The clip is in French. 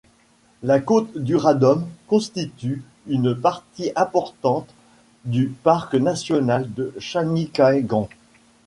La côte d'Uradome constitue une partie importante du parc national de San'inkaigan.